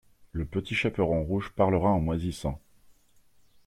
Le Petit Chaperon Rouge parlera en moisissant.